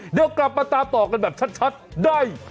เดี๋ยวกลับมาตามต่อกันแบบชัดได้